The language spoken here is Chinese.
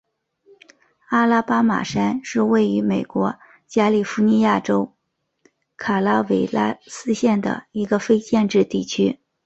阿拉巴马山是位于美国加利福尼亚州卡拉韦拉斯县的一个非建制地区。